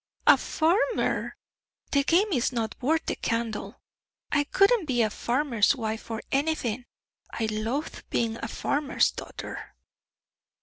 "A farmer! The game is not worth the candle. I wouldn't be a farmer's wife for anything. I loathe being a farmer's daughter."